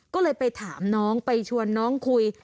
ก็เลยไปถามน้องไปชวนน้องคุย